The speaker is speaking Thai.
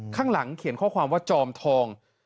ข้างหลังเขียนข้อความว่าจอมทอง